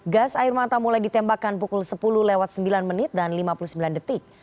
gas air mata mulai ditembakkan pukul sepuluh lewat sembilan menit dan lima puluh sembilan detik